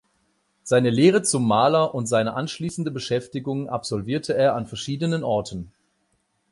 Seine Lehre zum Maler und seine anschließende Beschäftigung absolvierte er an verschiedenen Orten.